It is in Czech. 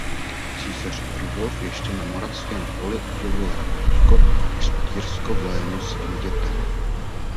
Císař Rudolf ještě na Moravském poli uděluje Rakousko a Štýrsko v léno svým dětem.